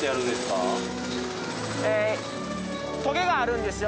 トゲがあるんですよ